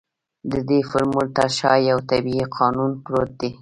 د دې فورمول تر شا يو طبيعي قانون پروت دی.